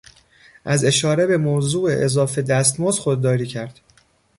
از اشاره به موضوع اضافه دستمزد خودداری کرد.